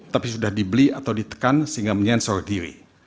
tapi sudah dibeli atau ditekan sehingga menyensor diri